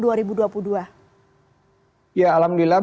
ya alhamdulillah berdasarkan dengkauan